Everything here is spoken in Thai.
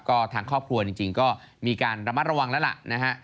ก็ทางครอบครัวจริงก็มีการระมัดระวังแล้วล่ะนะฮะ